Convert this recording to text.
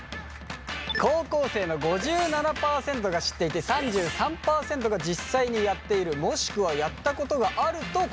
高校生の５７％が知っていて３３％が実際にやっているもしくはやったことがあると答えました。